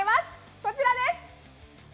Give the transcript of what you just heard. こちらです。